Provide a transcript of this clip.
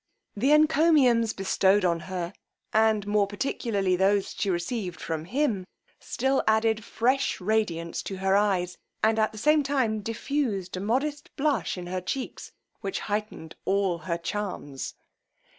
The encomiums bestowed on her, and more particularly those she received from him, still added fresh radiance to her eyes, and at the same time diffused a modest blush in her checks which heightened all her charms.